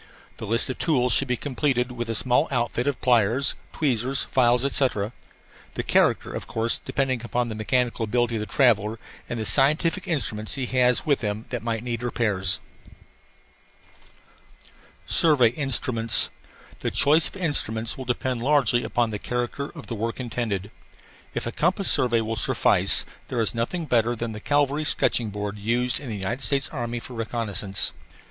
The list of tools should be completed with a small outfit of pliers, tweezers, files, etc. the character, of course, depending upon the mechanical ability of the traveller and the scientific instruments he has with him that might need repairs. SURVEY INSTRUMENTS The choice of instruments will depend largely upon the character of the work intended. If a compass survey will suffice, there is nothing better than the cavalry sketching board used in the United States Army for reconnaissance.